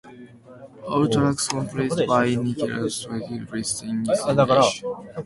All tracks composed by Nickolas Ashford and Valerie Simpson, except where indicated.